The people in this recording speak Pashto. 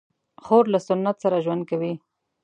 خور له سنت سره ژوند کوي.